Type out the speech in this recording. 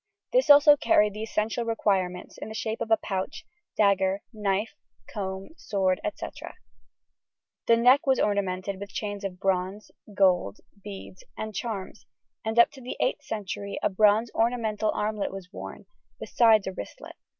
This also carried the essential requirements in the shape of a pouch, dagger, knife, comb, sword, &c. The neck was ornamented with chains of bronze, gold, beads, and charms, and up to the 8th century a bronze ornamental armlet was worn, besides a wristlet.